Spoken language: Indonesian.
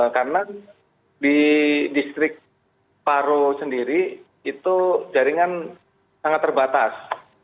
karena di distrik paro sendiri itu jaringan sangat terbatas